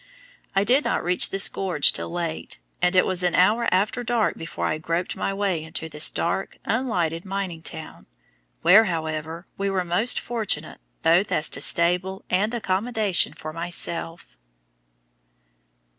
I did not reach this gorge till late, and it was an hour after dark before I groped my way into this dark, unlighted mining town, where, however, we were most fortunate both as to stable and accommodation for myself.